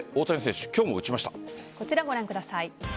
こちら、ご覧ください。